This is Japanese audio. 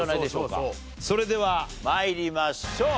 それでは参りましょう。